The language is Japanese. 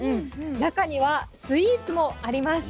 中にはスイーツもあります。